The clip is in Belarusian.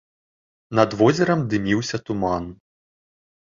Над возерам дыміўся туман.